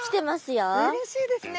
うれしいですね。